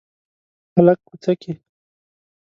هلک کوڅه کې